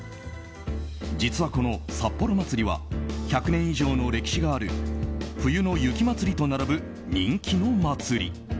実はこの札幌まつりは１００年以上の歴史がある冬の雪まつりと並ぶ人気の祭り。